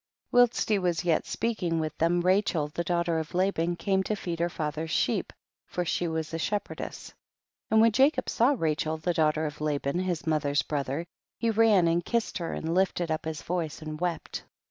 7. Whilst he was yet speaking with them, Rachel the daughter of Laban came to feed her fathers sheep, for she was a shepherdess. 8. And when Jacob saw Rachel the daughter of Laban his mother's brother, he ran and kissed her, and lifted up his voice and wept.